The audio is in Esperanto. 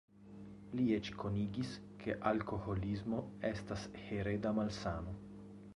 Li eĉ konigis, ke alkoholismo estas hereda malsano.